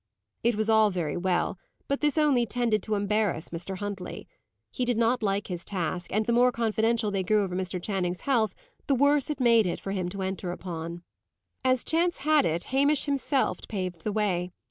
It was all very well; but this only tended to embarrass Mr. Huntley. He did not like his task, and the more confidential they grew over Mr. Channing's health, the worse it made it for him to enter upon. As chance had it, Hamish himself paved the way.